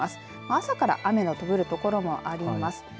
朝から雨が降る所もあります。